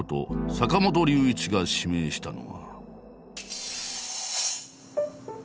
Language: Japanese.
坂本龍一が指名したのは。